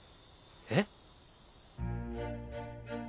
えっ？